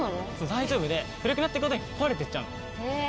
大丈夫で古くなっていくごとに壊れていっちゃうの。